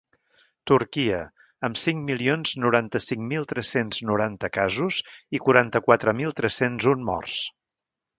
Turquia, amb cinc milions noranta-cinc mil tres-cents noranta casos i quaranta-quatre mil tres-cents un morts.